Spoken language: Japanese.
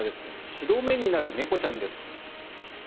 白目になる猫ちゃんです。